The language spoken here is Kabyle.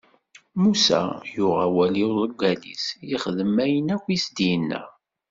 Musa yuɣ awal i uḍeggal-is, ixdem ayen akk i s-d-inna.